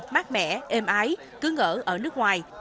mát mẻ êm ái cứ ngỡ ở nước ngoài